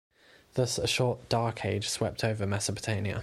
Thus, a short "dark age" swept over Mesopotamia.